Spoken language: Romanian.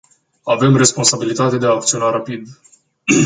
Avem responsabilitatea de a acționa rapid.